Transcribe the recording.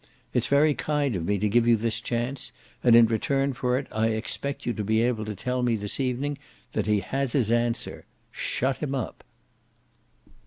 It's very kind of me to give you this chance, and in return for it I expect you to be able to tell me this evening that he has his answer. Shut him up!"